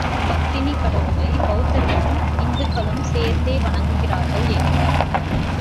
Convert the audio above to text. அப்பத்தினிக் கடவுளை பௌத்தர்களும் இந்துக்களும் சேர்ந்தே வணங்குகிறார்கள் என்பர்.